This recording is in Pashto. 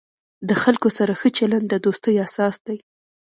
د خلکو سره ښه چلند، د دوستۍ اساس دی.